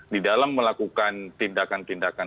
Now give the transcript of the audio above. di dalam melakukan tindakan tindakan